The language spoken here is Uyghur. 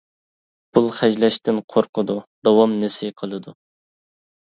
پۇل خەجلەشتىن قورقىدۇ، داۋام نېسى قىلىدۇ.